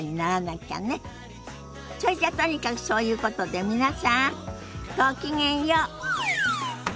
そいじゃとにかくそういうことで皆さんごきげんよう。